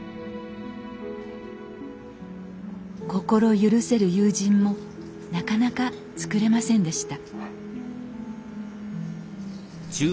心許せる友人もなかなかつくれませんでした